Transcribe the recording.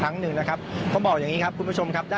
มาดูบรรจากาศมาดูความเคลื่อนไหวที่บริเวณหน้าสูตรการค้า